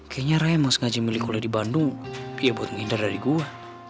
kayaknya raya mau sengaja milih kuliah di bandung ya buat ngindar dari gue